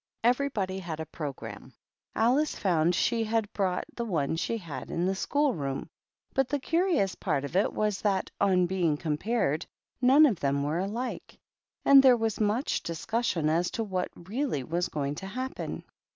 Every body had a programme. Alice found she had brought the one she had in the school room, but the curious part of it was that, on being compared, none of them were alike, and there was much discussion as to what really was going to happen.